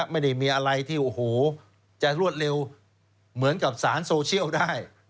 ไม่ได้มีอะไรที่โอ้โหจะรวดเร็วเหมือนกับสารโซเชียลได้